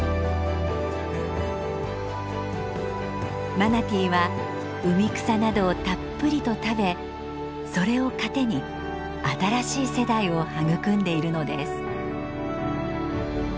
マナティーは海草などをたっぷりと食べそれを糧に新しい世代を育んでいるのです。